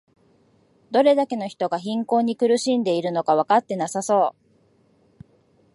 どれだけの人が貧困に苦しんでいるのかわかってなさそう